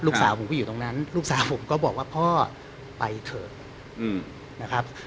ผมก็อยู่ตรงนั้นลูกสาวผมก็บอกว่าพ่อไปเถอะนะครับ